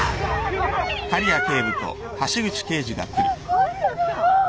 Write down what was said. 狩矢さん。